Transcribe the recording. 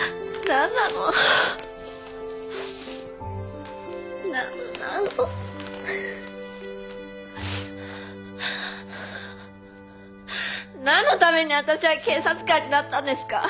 何のために私は警察官になったんですか？